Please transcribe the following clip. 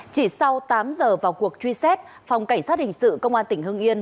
chỉ sau tám giờ vào cuộc truy xét phòng cảnh sát hình sự công an tỉnh hưng yên